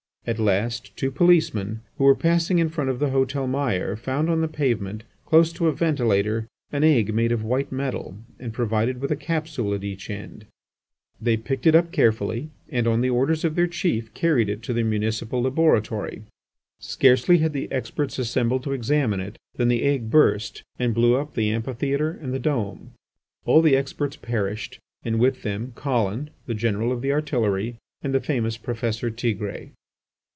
At last two policemen, who were passing in front of the Hôtel Meyer, found on the pavement, close to a ventilator, an egg made of white metal and provided with a capsule at each end. They picked it up carefully, and, on the orders of their chief, carried it to the municipal laboratory. Scarcely had the experts assembled to examine it, than the egg burst and blew up the amphitheatre and the dome. All the experts perished, and with them Collin, the General of Artillery, and the famous Professor Tigre.